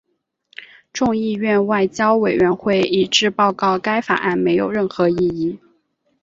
众议院外交委员会一致报告该法案没有任何意义。